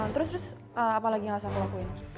terus terus apa lagi yang harus aku lakuin